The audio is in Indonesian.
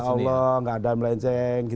insya allah nggak ada yang melenceng